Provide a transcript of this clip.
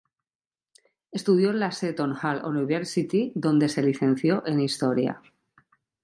Estudió en la Seton Hall University, donde se licenció en Historia.